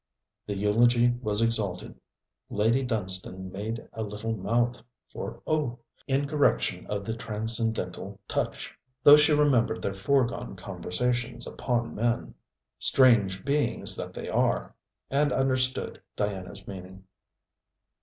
The eulogy was exalted. Lady Dunstane made a little mouth for Oh, in correction of the transcendental touch, though she remembered their foregone conversations upon men strange beings that they are! and understood Diana's meaning.